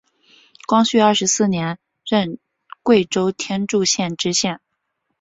光绪二十四年任贵州天柱县知县。